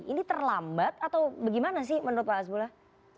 ini terlambat atau bagaimana sih menurut pak hasbullah